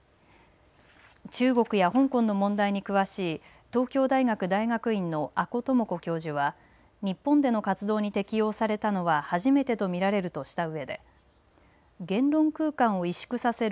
中国や香港の問題に詳しい東京大学大学院の阿古智子教授は日本での活動に適用されたのは初めてと見られるとしたうえで言論空間を萎縮させる